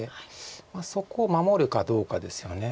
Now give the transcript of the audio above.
そこを守るかどうかですよね。